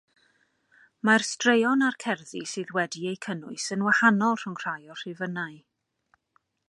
Mae'r straeon a'r cerddi sydd wedi'u cynnwys yn wahanol rhwng rhai o'r rhifynnau.